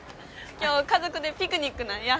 今日家族でピクニックなんや。